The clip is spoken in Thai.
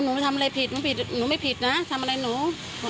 ไม่ทำอะไรผิดหนูผิดหนูไม่ผิดนะทำอะไรหนู